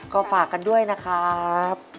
ก็ฝากกันด้วยนะครับ